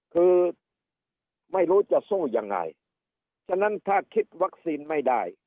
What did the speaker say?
คือไม่รู้จะสู้ยังไงฉะนั้นถ้าคิดวัคซีนไม่ได้